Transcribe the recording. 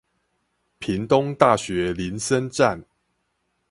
屏東大學林森站